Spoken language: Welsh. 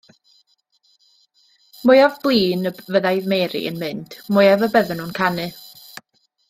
Mwyaf blin fyddai Mary yn mynd, mwyaf y bydden nhw'n canu.